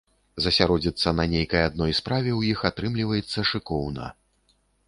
Засяродзіцца на нейкай адной справе ў іх атрымліваецца шыкоўна.